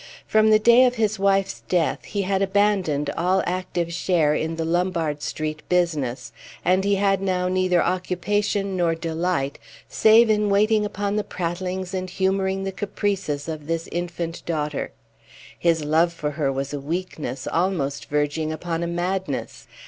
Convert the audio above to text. From the day of his wife's death he had abandoned all active share in the Lombard street business, and he had now neither occupation nor delight save in waiting upon the prattlings and humoring the caprices of this infant daughter. His love for her was a weakness, almost verging upon a madness.